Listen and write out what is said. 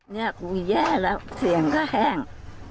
เนี่ยกูแย่แล้วเสียงก็แห้ง